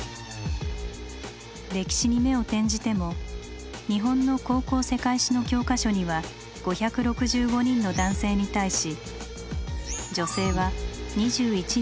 歴史に目を転じても日本の高校世界史の教科書には５６５人の男性に対し女性は２１人しか登場しません。